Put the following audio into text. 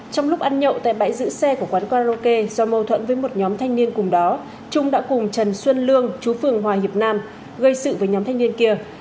trong lúc ăn nhậu tại bãi giữ xe của quán karaoke do mâu thuẫn với một nhóm thanh niên cùng đó trung đã cùng trần xuân lương chú phường hòa hiệp nam gây sự với nhóm thanh niên kia